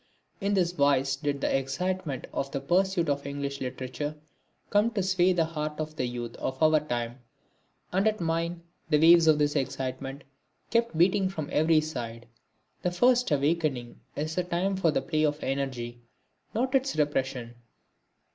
In this wise did the excitement of the pursuit of English literature come to sway the heart of the youth of our time, and at mine the waves of this excitement kept beating from every side. The first awakening is the time for the play of energy, not its repression.